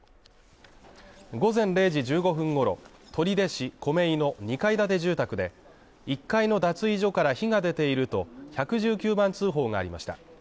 午前０時１５分ごろ取手市米ノ井の２階建て住宅で１階の脱衣所から火が出ていると１１９番通報がありました。